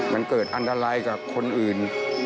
มันเกิดอันตรายกับคนอื่น